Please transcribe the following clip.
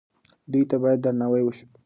دوی ته باید درناوی وشي.